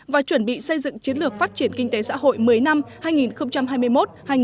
và chuẩn bị xây dựng chiến lược phát triển kinh tế xã hội một mươi năm hai nghìn hai mươi một hai nghìn ba mươi